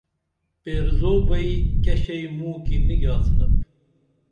پیرزو بئی کیہ شئی موں کی نی گِیاڅنپ